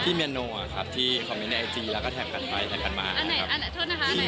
พี่เมียโน่อะครับที่คอมเมนต์ในไอจีแล้วก็แท็กกันไปแท็กกันมานะครับ